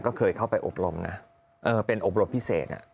ก็เคยเข้าไปอบรมนะเป็นอบรมพิเศษ